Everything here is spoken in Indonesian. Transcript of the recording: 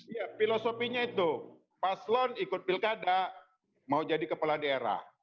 ya filosofinya itu paslon ikut pilkada mau jadi kepala daerah